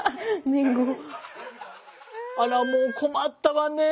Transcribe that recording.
あらもう困ったわねえ。